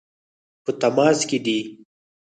په تماس کې دي.